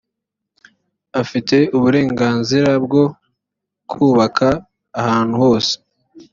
afite uburenganzira bwo kubaka ahantu hose